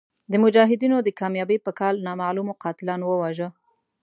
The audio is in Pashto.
د مجاهدینو د کامیابۍ په کال نامعلومو قاتلانو وواژه.